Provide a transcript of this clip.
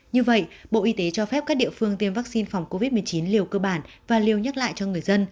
như vậy bộ y tế cho phép các địa phương tiêm vaccine phòng covid một mươi chín liều cơ bản và liều nhắc lại cho người dân